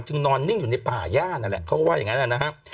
นอนนิ่งอยู่ในป่าย่านนั่นแหละเขาก็ว่าอย่างนั้นนะครับ